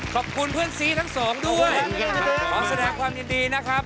ขอบคุณเพื่อนซีทั้งสองด้วยขอแสดงความยินดีนะครับ